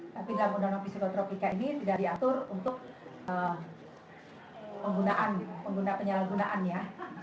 tapi dalam undang undang fisikotropi kayak gini tidak diatur untuk penggunaan pengguna penyalahgunaan ya